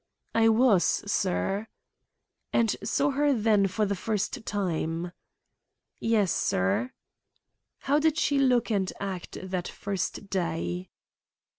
"I was, sir." "And saw her then for the first time?" "Yes, sir." "How did she look and act that first day?"